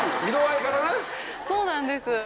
そうなんです。